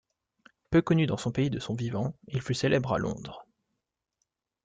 Peu connu dans son pays de son vivant, il fut célèbre à Londres.